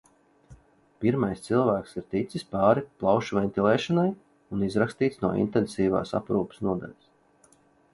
Pirmais cilvēks ir ticis pāri plaušu ventilēšanai un izrakstīts no intensīvās aprūpes nodaļas.